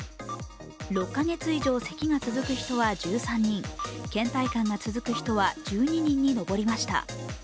６か月以上、せきが続く人は１３人けん怠感が続く人は１２人に上りました。